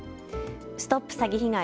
ＳＴＯＰ詐欺被害！